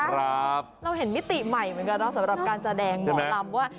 เราเห็นมิติใหม่เหมือนกันเนาะสำหรับการแสดงหมอลำว่า